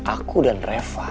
aku dan reva